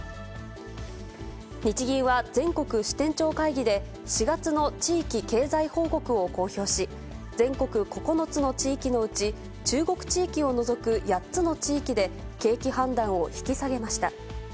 日銀は全国支店長会議で、４月の地域経済報告を公表し、全国９つの地域のうち、中国地域を除く８つの地域で、景気判断を引き下げました。